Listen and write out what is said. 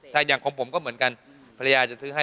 ถ้าอย่างของผมก็เหมือนกันภรรยาจะซื้อให้